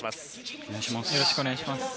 よろしくお願いします。